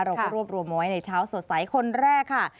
เราก็รวบรวมไว้ในเช้าสดใสคนแรกค่ะ